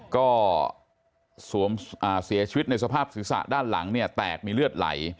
ก็เสียชีวิตในสภาพศีรษะด้านหลังเนี่ยแตกมีเลือดไหล